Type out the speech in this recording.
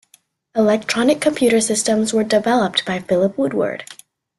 Electronic computer systems were developed by Philip Woodward.